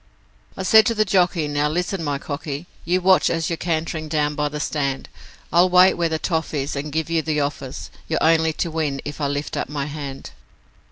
'I said to the jockey, 'Now, listen, my cocky, You watch as you're cantering down by the stand, I'll wait where that toff is and give you the office, You're only to win if I lift up my hand.'